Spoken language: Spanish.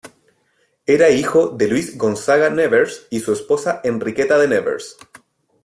Era hijo de Luis Gonzaga-Nevers y su esposa Enriqueta de Nevers.